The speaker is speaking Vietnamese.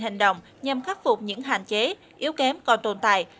hành động nhằm khắc phục những hạn chế yếu kém còn tồn tại